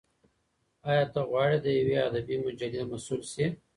ایا ته غواړې د یوې ادبي مجلې مسول شې؟